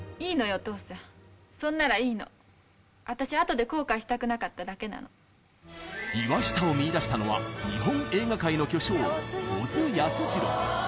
お父さんそんならいいの私あとで後悔したくなかっただけなの岩下を見いだしたのは日本映画界の巨匠小津安二郎